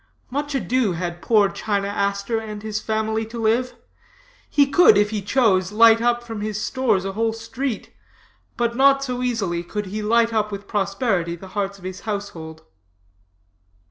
Much ado had poor China Aster and his family to live; he could, if he chose, light up from his stores a whole street, but not so easily could he light up with prosperity the hearts of his household.